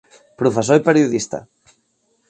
Professor i periodista.